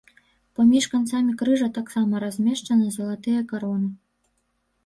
Паміж канцамі крыжа таксама размешчаны залатыя кароны.